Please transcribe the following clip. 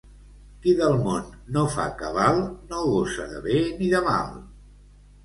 Qui del món no fa cabal, no gosa de bé ni de mal.